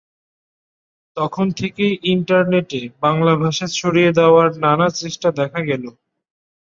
তখন থেকেই ইন্টারনেটে বাংলা ভাষা ছড়িয়ে দেওয়ার নানা চেষ্টা দেখা গেল।